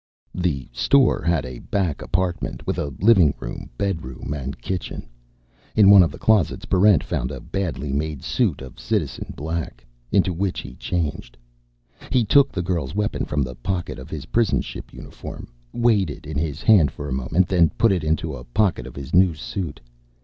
The store had a back apartment with a living room, bedroom, and kitchen. In one of the closets, Barrent found a badly made suit of Citizen black, into which he changed. He took the girl's weapon from the pocket of his prison ship uniform, weighed it in his hand for a moment, then put it into a pocket of his new suit.